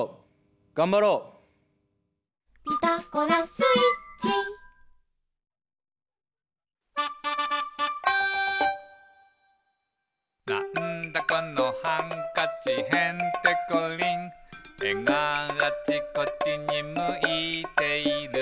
「なんだこのハンカチへんてこりん」「えがあちこちにむいている」